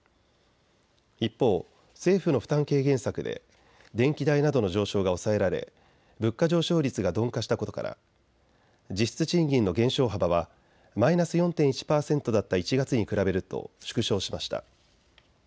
一方、政府の負担軽減策で電気代などの上昇が抑えられ物価上昇率が鈍化したことから実質賃金の減少幅はマイナス４．１％だった１月に比べると縮小しました。